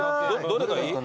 どれがいい？